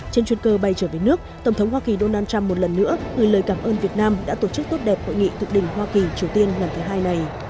trên chuyến cơ bay trở về nước tổng thống hoa kỳ donald trump một lần nữa gửi lời cảm ơn việt nam đã tổ chức tốt đẹp hội nghị thượng đỉnh hoa kỳ triều tiên lần thứ hai này